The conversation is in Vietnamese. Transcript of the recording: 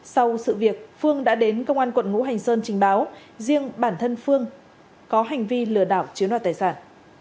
sau sự việc phương đã đến công an quận ngũ hành sơn trình báo riêng bản thân phương có hành vi lừa đảo chiếu đoạt tài sản